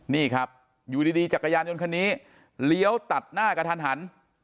นี่ครับอยู่ดีจักรยานยนต์คันนี้เลี้ยวตัดหน้ากระทันหัน